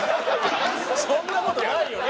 そんな事ないよね。